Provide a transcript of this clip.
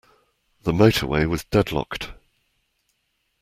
The motorway was deadlocked.